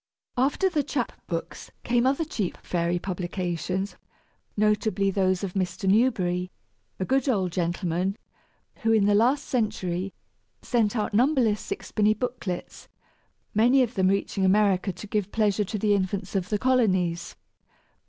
After the chap books came other cheap fairy publications, notably those of Mr. Newberry, a good old gentleman who, in the last century, sent out numberless sixpenny booklets, many of them reaching America to give pleasure to the infants of the colonies.